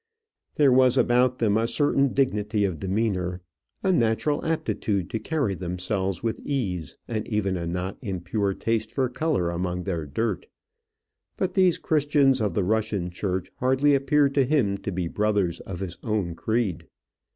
There was about them a certain dignity of demeanour, a natural aptitude to carry themselves with ease, and even a not impure taste for colour among their dirt. But these Christians of the Russian Church hardly appeared to him to be brothers of his own creed.